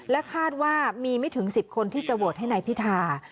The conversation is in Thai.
คาดว่ามีไม่ถึง๑๐คนที่จะโหวตให้นายพิธา